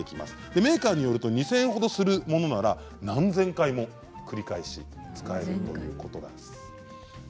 メーカーによると２０００円ほどするものなら何千回も使えるということです。